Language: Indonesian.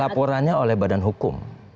laporannya oleh badan hukum